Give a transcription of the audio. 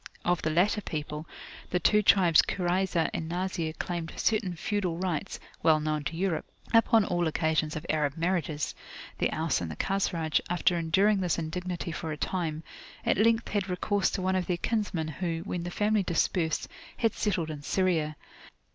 Of the latter people, the two tribes Kurayzah and Nazir claimed certain feudal rights (well known to Europe) upon all occasions of Arab marriages. The Aus and the Khazraj, after enduring this indignity for a time, at length had recourse to one of their kinsmen who, when the family dispersed, had settled in Syria.